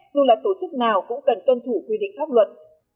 dù là tổ chức nào cũng cần tuân thủ quy định pháp luật